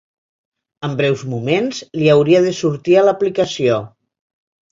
En breus moments li hauria de sortir a l'aplicació.